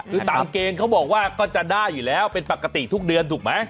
คือตามเกณฑ์เขาบอกว่าก็จะได้อยู่แล้วเป็นปกติทุกเดือนถูกไหม